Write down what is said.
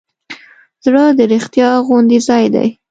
زړه د رښتیا خوندي ځای دی.